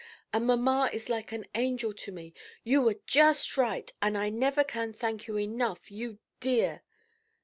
and mamma is like an angel to me. You were just right; and I never can thank you enough, you dear!"